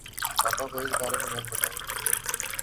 پاپا کو اِس بارے میں مت بتاؤ